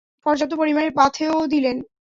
পর্যাপ্ত পরিমাণের পাথেয়ও দিলেন।